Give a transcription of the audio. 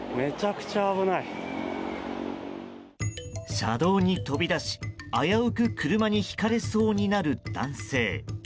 車道に飛び出し危うく車にひかれそうになる男性。